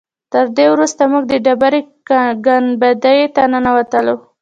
تر دې وروسته موږ د ډبرې ګنبدې ته ننوتلو.